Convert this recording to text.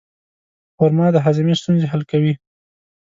خرما د هاضمې ستونزې حل کوي.